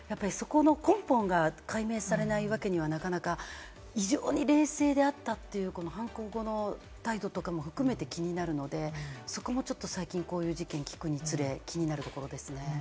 そこの根本が解明されないわけには、なかなか異常に冷静であったというこの犯行後の態度とかも含めて、気になるのでそこも最近こういう事件を聞くにつれ、気になるところですね。